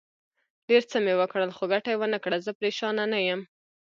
ډېر څه مې وکړل، خو ګټه یې ونه کړه، زه پرېشانه نه یم.